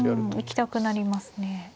行きたくなりますね。